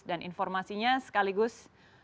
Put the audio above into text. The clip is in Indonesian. dan informasinya sekaligus